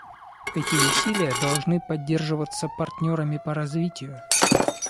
Эти усилия должны поддерживаться партнерами по развитию.